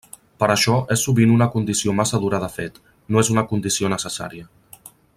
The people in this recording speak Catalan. Però això és sovint una condició massa dura de fet: no és una condició necessària.